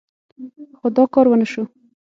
خو دا کار ونه شو.